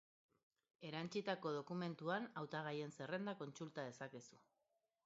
Erantsitako dokumentuan hautagaien zerrenda kontsulta dezakezu.